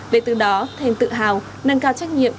để từ đó thêm tự hào nâng cao trách nhiệm